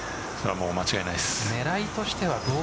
間違いないです。